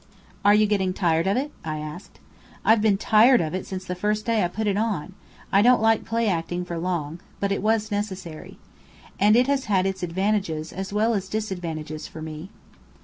"Are you getting tired of it?" I asked. "I've been tired of it since the first day I put it on. I don't like play acting for long. But it was necessary. And it has had its advantages as well as disadvantages for me."